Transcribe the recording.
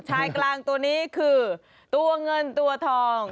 กลางตัวนี้คือตัวเงินตัวทอง